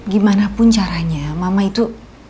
gimanapun caranya mama itu